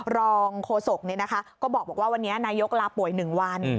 รองโฆษกก็บอกว่าวันนี้นายกลาป่วย๑วัน